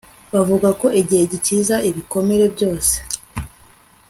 Bavuga ko igihe gikiza ibikomere byose